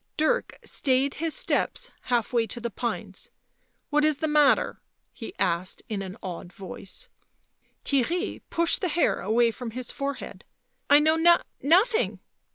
Dirk stayed his steps half w r ay to the pines. " What is the matter?" he asked in an odd voice. Theirry pushed the hair away from his forehead. " I know not — nothing."